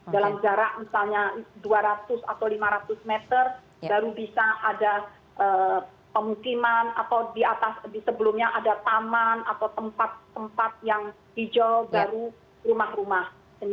dalam jarak misalnya dua ratus atau lima ratus meter baru bisa ada pemukiman atau di atas di sebelumnya ada taman atau tempat tempat yang hijau baru rumah rumah